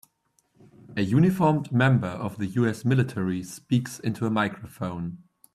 A uniformed member of the U.S. military speaks into a microphone.